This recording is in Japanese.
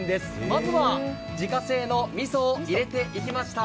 まずは、自家製のみそを入れていきました。